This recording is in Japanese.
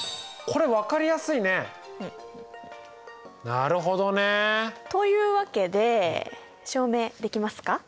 なるほどね。というわけで証明できますか？